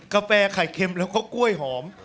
กาแฟไข่เค็มแล้วก็กล้วยหอม